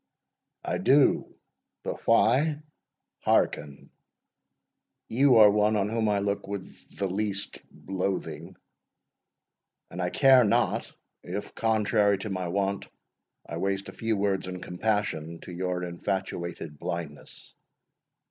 "I do; but why? Hearken. You are one on whom I look with the least loathing, and I care not, if, contrary to my wont, I waste a few words in compassion to your infatuated blindness.